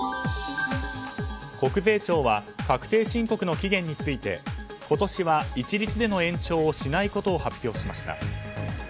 国税庁は確定申告の期限について今年は一律での延長をしないことを発表しました。